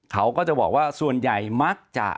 เขาก็จะบอกว่าส่วนใหญ่มักจะ